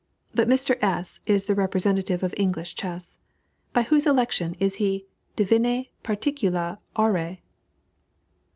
But Mr. S. is the representative of English chess. By whose election is he "divinæ particula auræ?"